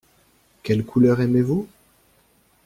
Quelle couleur aimez-vous ?